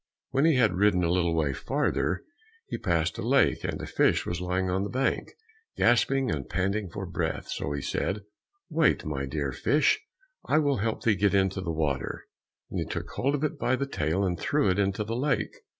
When he had ridden a little way farther, he passed by a lake, and a fish was lying on the bank, gasping and panting for breath, so he said, "Wait, my dear fish, I will help thee get into the water," and he took hold of it by the tail, and threw it into the lake.